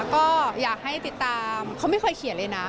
ก็อยากให้ติดตามเขาไม่เคยเขียนเลยนะ